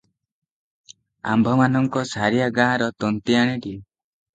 ଆମ୍ଭମାନଙ୍କ ସାରିଆ ଗାଁର ତନ୍ତୀଆଣିଟିଏ ।